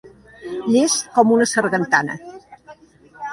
Llest com una sargantana.